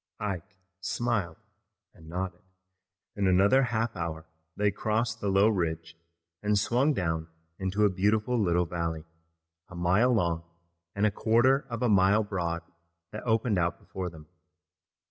Ike smiled and nodded. In another half hour they crossed the low ridge and swung down into a beautiful little valley, a mile long and a quarter of a mile broad that opened out before them.